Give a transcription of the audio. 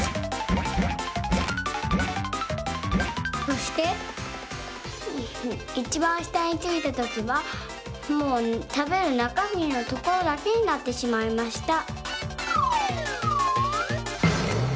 そしていちばんしたについたときはもうたべるなかみのところだけになってしまいました。